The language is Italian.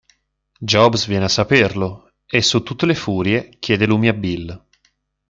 Jobs viene a saperlo, e, su tutte le furie, chiede lumi a Bill.